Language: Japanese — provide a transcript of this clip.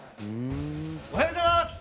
おはようございます！